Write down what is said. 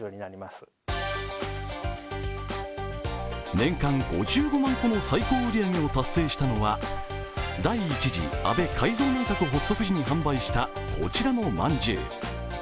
年間５５万個もの最高売り上げを達成したのは第１次安倍改造内閣発足時に販売したこちらのまんじゅう。